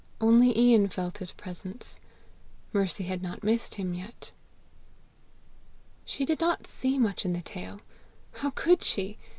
Only Ian felt his presence. Mercy had not missed him yet. She did not see much in the tale: how could she?